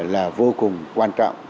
là vô cùng quan trọng